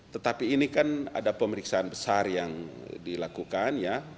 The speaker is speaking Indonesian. tetapi ini kan ada pemeriksaan besar yang dilakukan ya